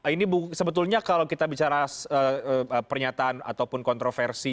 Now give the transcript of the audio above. ini sebetulnya kalau kita bicara pernyataan ataupun kontroversi